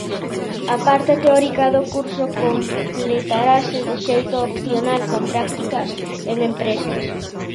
A parte teórica do curso completarase, de xeito opcional, con prácticas en empresas.